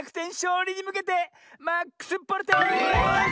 うりにむけてマックスボルテージ！